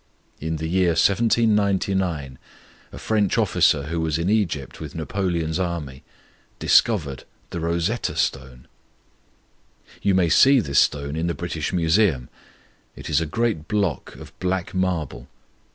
In the year 1799 a French officer who was in Egypt with Napoleon's army discovered the Rosetta Stone. You may see this stone in the British Museum. It is a great block of black marble.